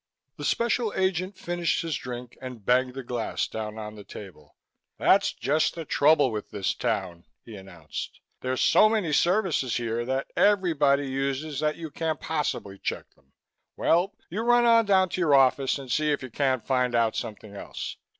The Special Agent finished his drink and banged the glass down on the table. "That's just the trouble with this town," he announced. "There's so many services here that everybody uses you can't possibly check them. Well, you run on down to your office and see if you can't find out something else.